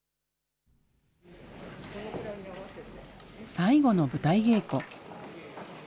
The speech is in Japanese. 最後の舞台稽古。